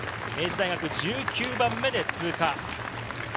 明治大学１９番目で通過。